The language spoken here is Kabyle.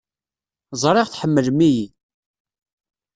Ẓriɣ tḥemmlem-iyi.